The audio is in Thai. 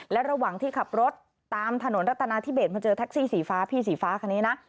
และระหว่างที่ขับรถตามถนนรัฐนาธิเบสมาเจอแท็กซี่สีฟ้าพี่สีฟ้าคันนี้นะ